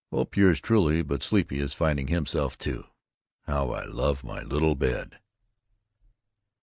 Hope yours truly but sleepy is finding himself too. How I love my little bed!